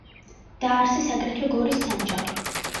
დააარსეს აგრეთვე გორის სანჯაყი.